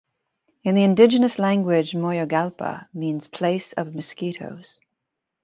In the indigenous language Moyogalpa means place of mosquitos.